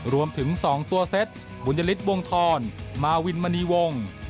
รวมถึง๒ตัวเซ็ตบุญยฤทธิวงธรมาวินมณีวง